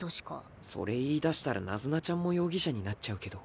それ言いだしたらナズナちゃんも容疑者になっちゃうけど。